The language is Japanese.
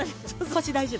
◆腰大丈夫？